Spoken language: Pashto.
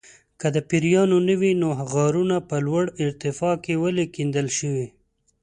که د پیریانو نه وي نو غارونه په لوړه ارتفاع کې ولې کیندل شوي.